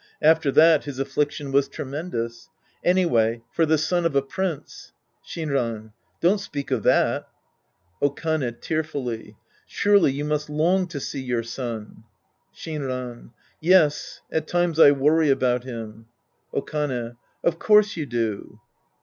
After that, his affliction was tremendous. Anyway, for the son of a prince — Shinran. Don't speak of that. Okane {fearfully). Surely you must long to see your son ! Sldnran. Yes. At times I worry about him. Okane. Of course you do.